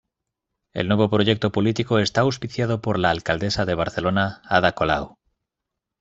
El nuevo proyecto político está auspiciado por la alcaldesa de Barcelona Ada Colau.